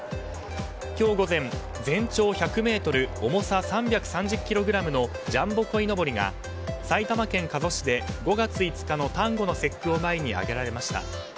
今日午前全長１００ｍ、重さ３３０ｋｇのジャンボこいのぼりが埼玉県加須市で５月５日の端午の節句を前に揚げられました。